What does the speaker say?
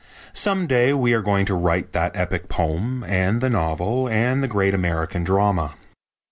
Some day we are going to write that epic poem, and the novel, and the great American drama.